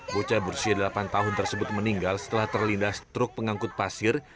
bocah berusia delapan tahun tersebut meninggal setelah terlindas truk pengangkut pasir